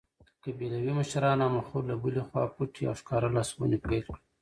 قبیلوي مشرانو او مخورو له بلې خوا پټې او ښکاره لاسوهنې پیل کړې.